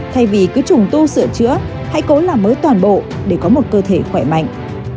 thay vì cứ trùng tu sửa chữa hãy cố làm mới toàn bộ để có một cơ thể khỏe mạnh